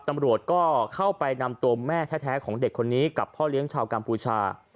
ตำรวจก็เข้าไปนำตัวแม่แท้ของเด็กคนนี้กับพ่อเลี้ยงชาวกัมพูชา